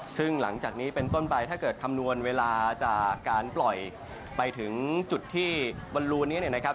ซึ่งหลังจากนี้เป็นต้นไปถ้าเกิดคำนวณเวลาจากการปล่อยไปถึงจุดที่บนรูนี้เนี่ยนะครับ